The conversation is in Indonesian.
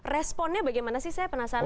responnya bagaimana sih saya penasaran